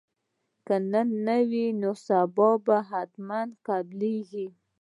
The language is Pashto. که نن نه وي نو سبا به حتما قبلیږي